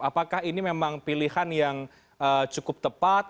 apakah ini memang pilihan yang cukup tepat